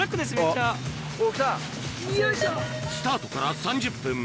スタートから３０分